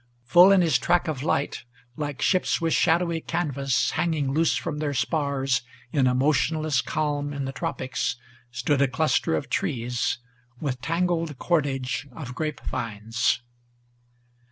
Full in his track of light, like ships with shadowy canvas Hanging loose from their spars in a motionless calm in the tropics, Stood a cluster of trees, with tangled cordage of grape vines.